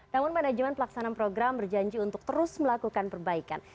namun manajemen pelaksanaan program berjanji untuk terus melakukan perbaikan